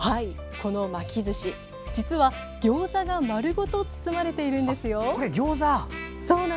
この巻きずし、実はギョーザが丸ごと包まれているんですよ。